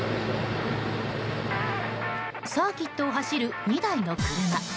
サーキットを走る２台の車。